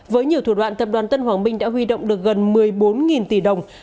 với nhiều thủ đoạn tập đoàn tân hoàng minh đã huy động được gần một mươi bốn tỷ đồng